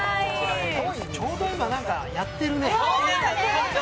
ちょうど今なんかやってるね。